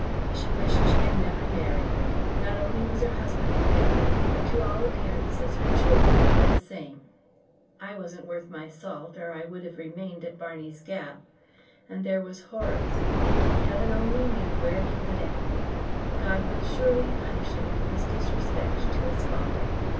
She wished she had never married: not only was her husband a failure, but to all appearances her children would be the same. I wasn't worth my salt or I would have remained at Barney's Gap; and there was Horace heaven only knew where he would end. God would surely punish him for his disrespect to his father.